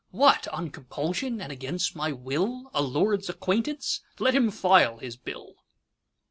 'What! on compulsion, and against my will,A lord's acquaintance? Let him file his bill!